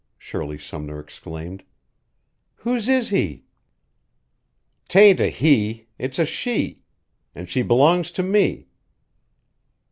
Shirley Sumner exclaimed. "Whose is he?" "'Tain't a he. It's a she. And she belongs to me."